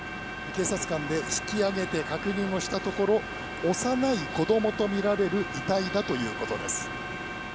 警察官で引き揚げて確認をしたところ幼い子供とみられる遺体だということです。